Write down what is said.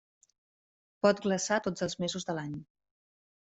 Pot glaçar tots els mesos de l’any.